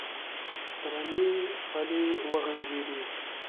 درنې پلې وغنجېدې.